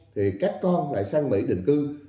thì các con lại sang mỹ định cư